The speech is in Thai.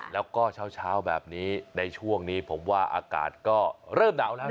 แล้วก็เช้าแบบนี้ในช่วงนี้ผมว่าอากาศก็เริ่มหนาวแล้ว